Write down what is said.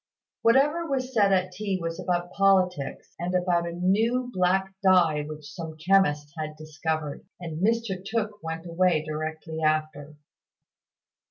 Whatever was said at tea was about politics, and about a new black dye which some chemist had discovered; and Mr Tooke went away directly after.